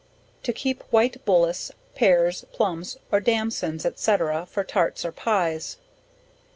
To keep White Bullace, Pears, Plumbs, or Damsons &c. for tarts or pies.